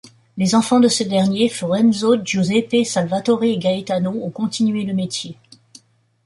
Les enfants de ce dernier, Fiorenzo, Giuseppe, Salvatore et Gaetano, ont continué le métier.